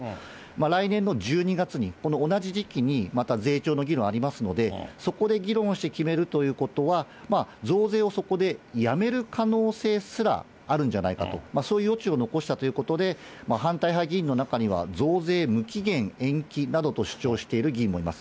来年の１２月に、この同じ時期に、また税調の議論在りますので、そこで議論をして決めるということは、まあ増税をそこでやめる可能性すらあるんじゃないかと、そういう余地を残したということで、反対派議員の中には、増税無期限延期などと主張している議員もいます。